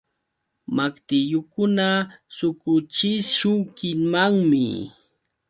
Maqtillukuna suquchishunkimanmi.